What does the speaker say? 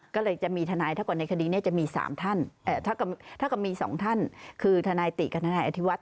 ก็เลยจะมีทนายถ้าเกิดในคดีนี้จะมี๓ท่านถ้าเกิดมี๒ท่านคือทนายติกับทนายอธิวัฒ